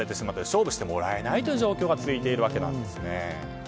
勝負してもらえない状況が続いているわけなんですね。